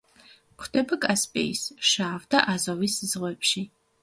გვხვდება კასპიის, შავ და აზოვის ზღვებში.